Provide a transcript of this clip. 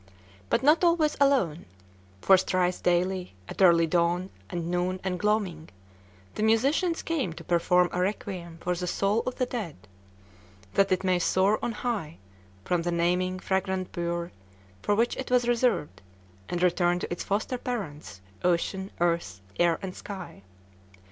But not always alone; for thrice daily at early dawn, and noon, and gloaming the musicians came to perform a requiem for the soul of the dead, "that it may soar on high, from the naming, fragrant pyre for which it is reserved, and return to its foster parents, Ocean, Earth, Air, Sky."